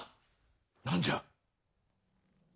何じゃ。